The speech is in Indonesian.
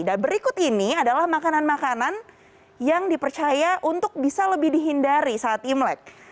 dan berikut ini adalah makanan makanan yang dipercaya untuk bisa lebih dihindari saat imlek